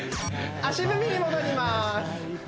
足踏みに戻ります